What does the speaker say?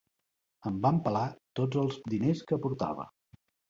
Em van pelar tots els diners que portava.